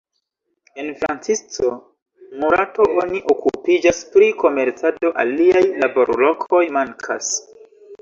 En Francisco Morato oni okupiĝas pri komercado, aliaj laborlokoj mankas.